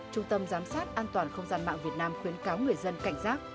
trung tâm giám sát an toàn không gian mạng việt nam khuyến cáo người dân cảnh giác